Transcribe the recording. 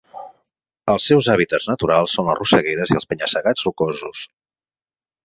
Els seus hàbitats naturals són les rossegueres i els penya-segats rocosos.